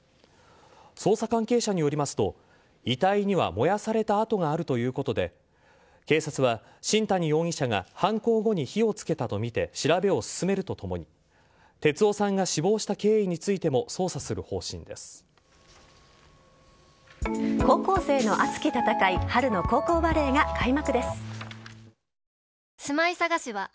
捜査関係者によりますと遺体には燃やされた跡があるということで警察は新谷容疑者が犯行後に火をつけたとみて調べを進めるとともに高校生たちの日本一決定戦春の高校バレーが開幕。